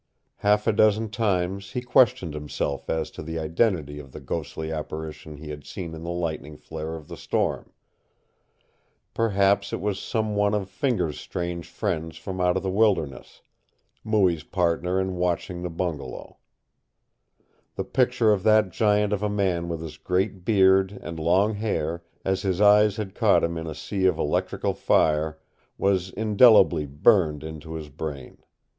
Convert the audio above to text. Half a dozen times he questioned himself as to the identity of the ghostly apparition he had seen in the lightning flare of the storm. Perhaps it was some one of Fingers' strange friends from out of the wilderness, Mooie's partner in watching the bungalow. The picture of that giant of a man with his great beard and long hair, as his eyes had caught him in a sea of electrical fire, was indelibly burned into his brain.